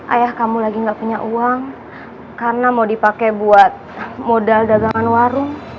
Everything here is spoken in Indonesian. ayah kamu lagi nggak punya uang karena mau dipakai buat modal dagangan warung